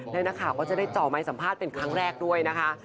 และนักข่าวก็จะได้จ่อไม้สัมภาษณ์เป็นครั้งแรกด้วยนะคะ